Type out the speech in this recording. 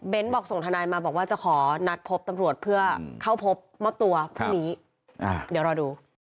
บอกส่งทนายมาบอกว่าจะขอนัดพบตำรวจเพื่อเข้าพบมอบตัวพรุ่งนี้เดี๋ยวรอดู